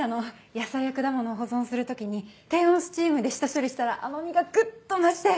野菜や果物を保存する時に低温スチームで下処理したら甘みがぐっと増して！